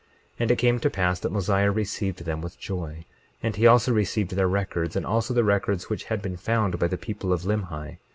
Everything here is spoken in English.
22:14 And it came to pass that Mosiah received them with joy; and he also received their records, and also the records which had been found by the people of Limhi.